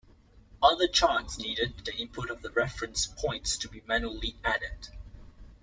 Other charts needed the input of the reference points to be manually added.